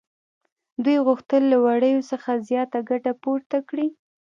دوی غوښتل له وړیو څخه زیاته ګټه پورته کړي